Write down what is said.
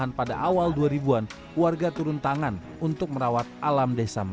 lagi pine sirip karakiran vera ser cabbage